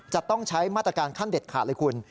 จะต้องใช้มาตรการขั้นเด็ดขาดเลยคุณ